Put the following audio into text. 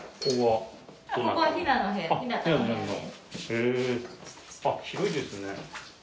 へぇあっ広いですね。